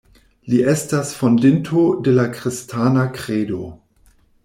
Li estas Fondinto de la Kristana Kredo.